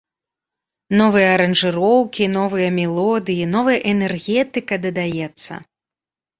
Новыя аранжыроўкі, новыя мелодыі, новая энергетыка дадаецца.